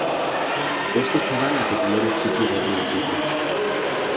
Hosto zabalak eta lore txiki gorriak ditu.